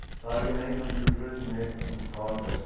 تاکہ نئی کمپیوٹرز میں انسٹال کر سکیں